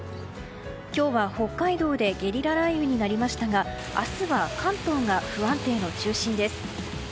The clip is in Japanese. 今日は北海道でゲリラ雷雨になりましたが明日は関東が不安定の中心です。